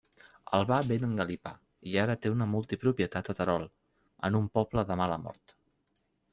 El va ben engalipar i ara té una multipropietat a Terol, en un poble de mala mort.